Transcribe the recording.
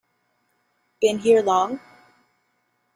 Been here long?